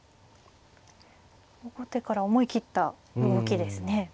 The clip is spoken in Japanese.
後手から思い切った動きですね。